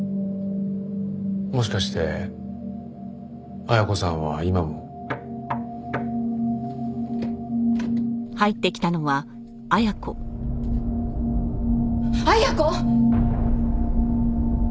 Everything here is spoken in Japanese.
もしかして恵子さんは今も。恵子！